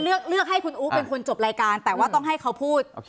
เลือกให้คุณอู๋เป็นคนจบรายการแต่ว่าต้องให้เขาพูด